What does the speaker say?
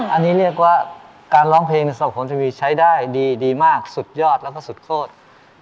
อันนี้เรียกว่าการร้องเพลงในสมบัติภาพของผมจะมีใช้ได้ดีดีมากสุดยอดแล้วก็สุดโฆษณ์